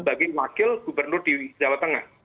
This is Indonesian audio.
sebagai wakil gubernur di jawa tengah